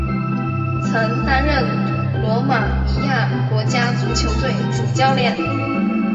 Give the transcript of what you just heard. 曾担任罗马尼亚国家足球队主教练。